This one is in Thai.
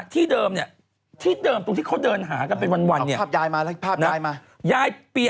ที่เดิมเนี่ยที่เดิมตรงที่เขาเดินหากันเป็นวันเนี่ย